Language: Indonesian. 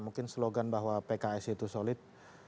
mungkin slogan bahwa pks itu solid